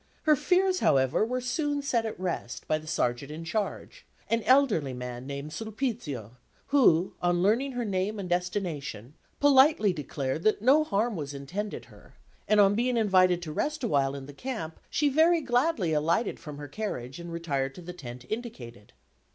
Her fears, however, were soon set at rest by the Sergeant in charge, an elderly man named Sulpizio, who, on learning her name and destination, politely declared that no harm was intended her; and on being invited to rest awhile in the camp, she very gladly alighted from her carriage, and retired to the tent indicated.